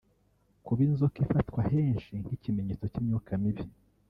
kuba inzoka ifatwa henshi nk’ikimenyetso cy’imyuka mibi